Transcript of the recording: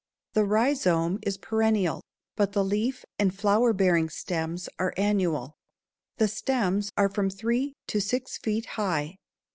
The rhizome is perennial, but the leaf and flower bearing stems are annual. The stems are from three to six feet high.